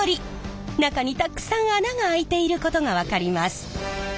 中にたくさん穴が開いていることが分かります！